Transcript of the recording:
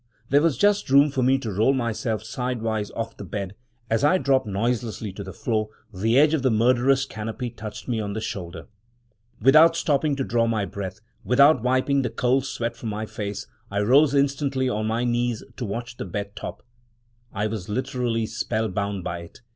There was just room for me to roll myself sidewise off the bed. As I dropped noiselessly to the floor, the edge of the murderous canopy touched me on the shoulder. Without stopping to draw my breath, without wiping the cold sweat from my face, I rose instantly on my knees to watch the bed top. I was literally spellbound by it.